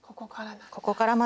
ここからだ。